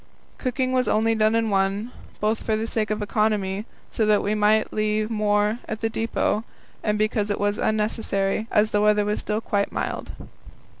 Cooking was only done in one, both for the sake of economy, so that we might leave more at the depot, and because it was unnecessary, as the weather was still quite mild.